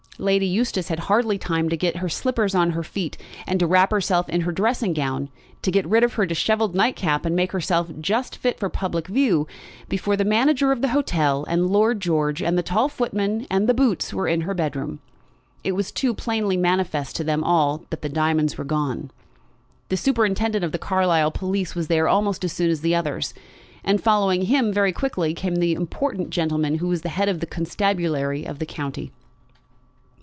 Lady Eustace had hardly time to get her slippers on her feet, and to wrap herself in her dressing gown, to get rid of her dishevelled nightcap, and make herself just fit for public view, before the manager of the hotel, and Lord George, and the tall footman, and the boots were in her bedroom. It was too plainly manifest to them all that the diamonds were gone. The superintendent of the Carlisle police was there almost as soon as the others; and following him very quickly came the important gentleman who was the head of the constabulary of the county.